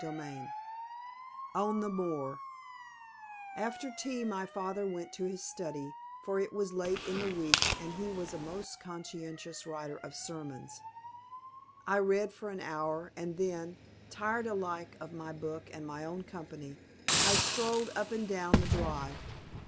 CHAPTER II ON THE MOOR After tea my father went to his study, for it was late in the week, and he was a most conscientious writer of sermons. I read for an hour, and then, tired alike of my book and my own company, I strolled up and down the drive.